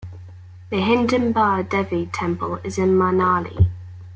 The Hidimba Devi Temple is at Manali.